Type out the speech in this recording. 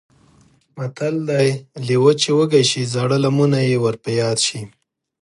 متل دی: لېوه چې وږی شي زاړه لمونه یې ور په یاد شي.